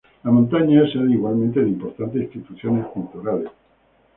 La montaña es sede igualmente de importantes instituciones culturales.